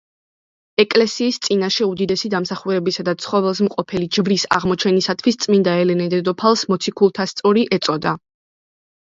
ეკლესიის წინაშე უდიდესი დამსახურებისა და ცხოველსმყოფელი ჯვრის აღმოჩენისათვის წმინდა ელენე დედოფალს მოციქულთასწორი ეწოდა.